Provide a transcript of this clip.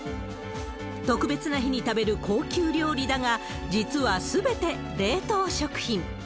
特別な日に食べる高級料理だが、実はすべて冷凍食品。